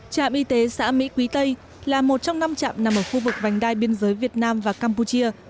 trạm y tế xã mỹ quý tây là một trong năm trạm nằm ở khu vực vành đai biên giới việt nam và campuchia